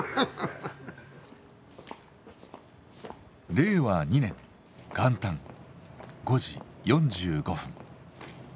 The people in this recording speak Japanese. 令和２年元旦５時４５分。